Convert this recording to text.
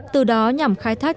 từ đó nhằm khai thác